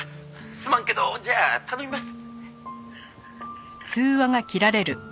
「すまんけどじゃあ頼みます」